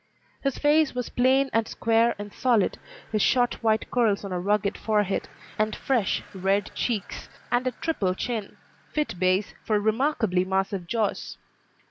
His face was plain and square and solid, with short white curls on a rugged forehead, and fresh red cheeks, and a triple chin fit base for remarkably massive jaws.